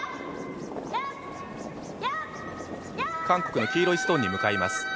韓国の黄色いストーンに向かいます。